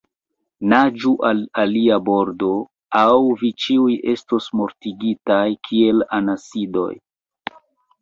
Naĝu al alia bordo, aŭ vi ĉiuj estos mortigitaj, kiel anasidoj!